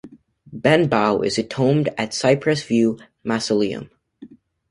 Benbough is entombed at Cypress View Mausoleum.